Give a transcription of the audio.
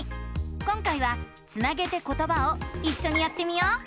今回は「つなげてことば」をいっしょにやってみよう！